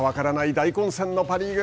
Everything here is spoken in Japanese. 大混戦のパ・リーグ。